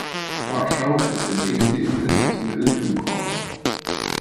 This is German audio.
Warschau ist der nächste internationale Flughafen.